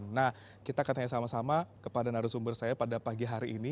nah kita akan tanya sama sama kepada narasumber saya pada pagi hari ini